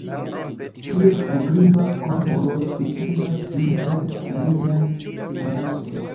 Ties dekliva konturo distingas ĝin el aliaj anasoj.